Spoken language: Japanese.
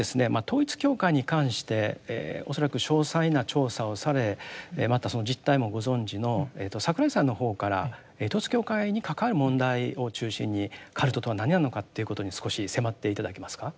統一教会に関して恐らく詳細な調査をされまたその実態もご存じの櫻井さんの方から統一教会に関わる問題を中心にカルトとは何なのかっていうことに少し迫って頂けますか。